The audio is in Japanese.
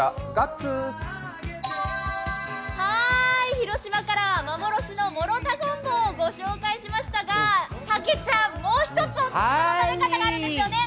広島から幻の諸田ごんぼうをご紹介しましたが竹ちゃん、もう１つオススメの食べ方があるんですよね？